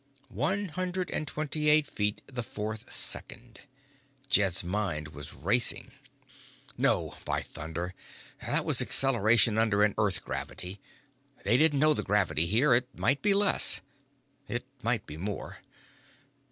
One hundred and twenty eight feet the fourth second. Jed's mind was racing. No, by thunder, that was acceleration under an earth gravity. They didn't know the gravity here. It might be less. It might be more.